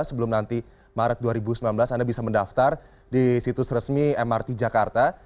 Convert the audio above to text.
sebelum nanti maret dua ribu sembilan belas anda bisa mendaftar di situs resmi mrt jakarta